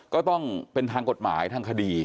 ก็ต้องเป็นทางกฎหมายทางคดี